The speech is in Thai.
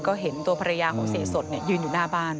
ก็เห็นตัวภรรยาของเสียสดยืนอยู่หน้าบ้าน